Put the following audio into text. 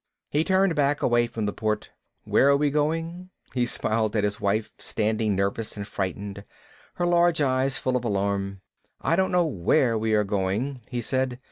He turned back, away from the port. "Where are we going?" He smiled at his wife, standing nervous and frightened, her large eyes full of alarm. "I don't know where we are going," he said.